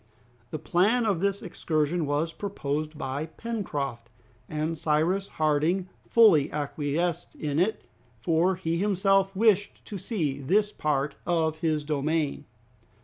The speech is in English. The plan of this excursion was proposed by Pencroft, and Cyrus Harding fully acquiesced in it, for he himself wished to see this part of his domain.